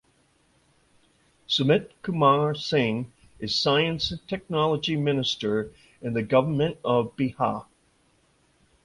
Sumit Kumar Singh is Science and Technology minister in the Government of Bihar.